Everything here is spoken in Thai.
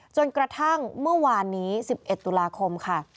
จนกระทั่งเมื่อวานนี้๑๑ตุลาคมค่ะ